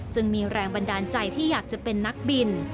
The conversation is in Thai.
จึงมีแรงบันดาลใจที่อยากจะเป็นนักบิน